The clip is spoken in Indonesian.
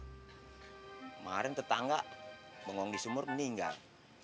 kemarin tetangga bengong di sumur meninggal